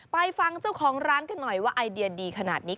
ไปฟังเจ้าของร้านกันหน่อยว่าไอเดียดีขนาดนี้